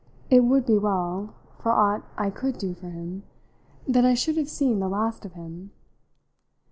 It would be well, for aught I could do for him, that I should have seen the last of him.